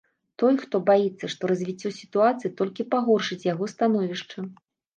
Той, хто баіцца, што развіццё сітуацыі толькі пагоршыць яго становішча.